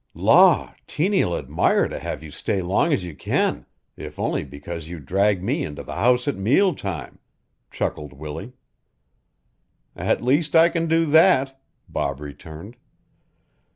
"Law, Tiny'll admire to have you stay long as you can, if only because you drag me into the house at meal time," chuckled Willie. "At least I can do that," Bob returned.